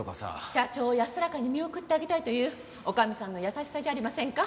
社長を安らかに見送ってあげたいという女将さんの優しさじゃありませんか？